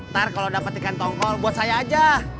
ntar kalau dapat ikan tongkol buat saya aja